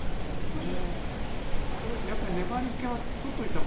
やっぱり粘りけは取っといたほうが。